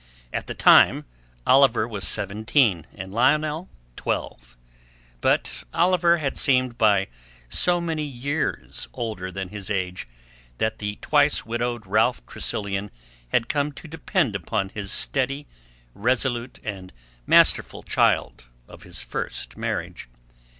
At the time Oliver was seventeen and Lionel twelve. But Oliver had seemed by so many years older than his age, that the twice widowed Ralph Tressilian had come to depend upon this steady, resolute, and masterful child of his first marriage.